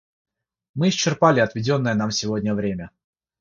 Мы исчерпали отведенное нам сегодня время.